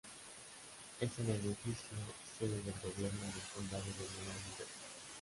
Es el edificio sede del gobierno del Condado de Miami-Dade.